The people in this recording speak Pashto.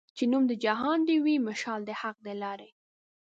چي نوم د جهاني دي وي مشال د حق د لاري